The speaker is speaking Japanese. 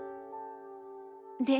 で